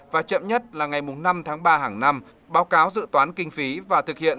và chậm nhất là ngày năm tháng ba hàng năm báo cáo dự toán kinh phí và thực hiện